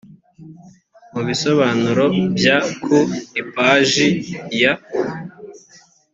mu bisobanuro bya ku ipaji ya